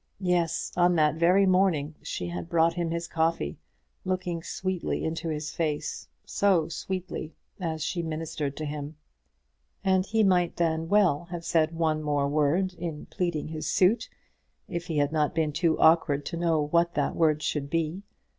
Yes, on that very morning she had brought to him his coffee, looking sweetly into his face, so sweetly as she ministered to him. And he might then well have said one word more in pleading his suit, if he had not been too awkward to know what that word should be.